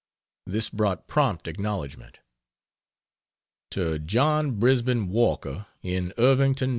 This brought prompt acknowledgment. To John Brisben Walker, in Irvington, N.